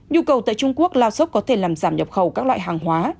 nhu cầu tại trung quốc lao sốc có thể làm giảm nhập khẩu các loại hàng hóa